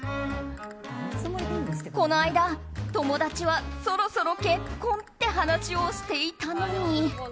この間、友達はそろそろ結婚って話をしていたのに。